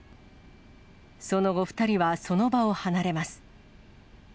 その後２人はその場を離れます。